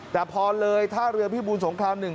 แต่พอเลยท่าเรือพิบูรสงคราม๑